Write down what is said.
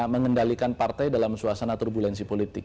mengendalikan partai dalam suasana turbulensi politik